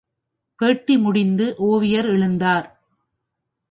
பேட்டி முடிந்து ஒவியர் எழுந்தார்.